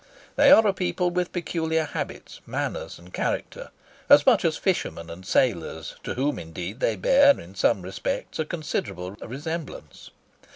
They are a people with peculiar habits, manners, and character, as much as fishermen and sailors, to whom, indeed, they bear, in some respects, a considerable resemblance.